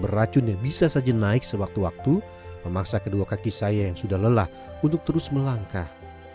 beracun yang bisa saja naik sewaktu waktu memaksa kedua kaki saya yang sudah lelah untuk terus melangkah